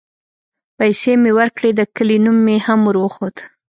پيسې مې وركړې د كلي نوم مې هم وروښود.